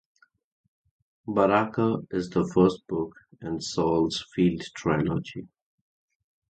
"Baraka" is the first book in Saul's "Field Trilogy".